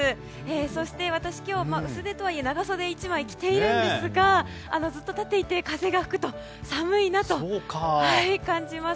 そして、私、今日薄手とはいえ長袖１枚着ているんですがずっと立っていて風が吹くと寒いなと感じます。